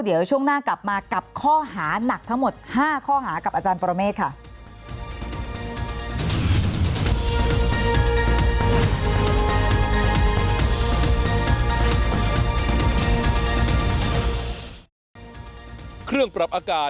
เดี๋ยวช่วงหน้ากลับมากับข้อหานักทั้งหมด๕ข้อหากับอาจารย์ปรเมฆค่ะ